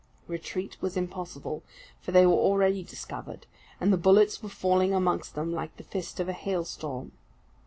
Retreat was impossible, for they were already discovered, and the bullets were falling amongst them like the first of a hail storm.